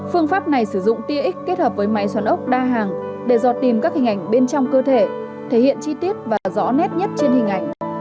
phương pháp này sử dụng tia x kết hợp với máy xoắn ốc đa hàng để dọt tìm các hình ảnh bên trong cơ thể thể hiện chi tiết và rõ nét nhất trên hình ảnh